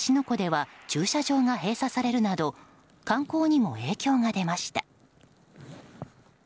湖では駐車場が閉鎖されるなど観光にも影響が出ました。